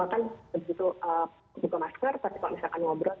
buka masker tapi kalau misalkan ngobrol